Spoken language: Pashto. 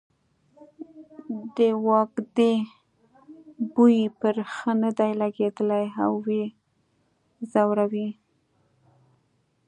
د وازدې بوی پرې ښه نه دی لګېدلی او یې ځوروي.